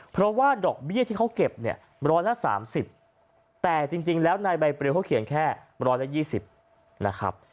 เพราะว่าดอกเบี้ยที่เขาเก็บเนี่ยร้อยละ๓๐แต่จริงแล้วนายใบปริวเขาเขียนแค่๑๒๐นะครับ